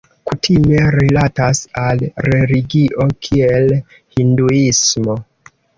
Kutime rilatas al religio, kiel Hinduismo.